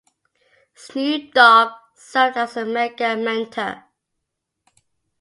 Snoop Dogg served as the mega mentor.